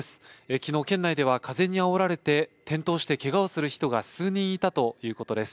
きのう県内では風にあおられて転倒してけがをする人が数人いたということです。